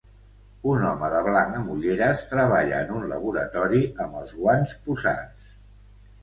Un home de blanc amb olleres treballa en un laboratori amb els guants posats